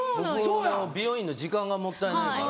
僕美容院の時間がもったいないから。